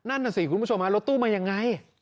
นั่นน่ะสิคุณผู้ชมฮะรถตู้มายังไง